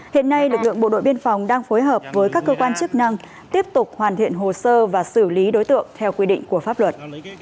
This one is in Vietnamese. hiện nay lực lượng bộ đội biên phòng đang phối hợp với các cơ quan chức năng tiếp tục hoàn thiện hồ sơ và xử lý đối tượng theo quy định của pháp luật